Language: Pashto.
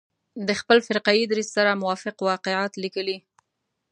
د خپل فرقه يي دریځ سره موافق واقعات لیکلي.